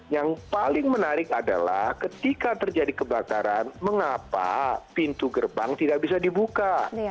yang paling menarik adalah ketika terjadi kebakaran mengapa pintu gerbang tidak bisa dibuka